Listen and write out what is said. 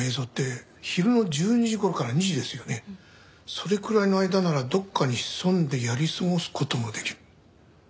それくらいの間ならどこかに潜んでやり過ごす事もできる。